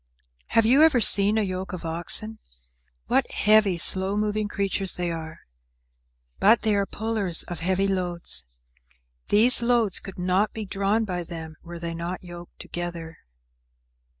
Have you ever seen a yoke of oxen? What heavy, slow moving creatures they are! But they are pullers of heavy loads. These loads could not be drawn by them were they not yoked together.